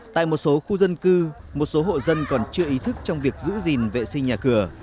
tại một số khu dân cư một số hộ dân còn chưa ý thức trong việc giữ gìn vệ sinh nhà cửa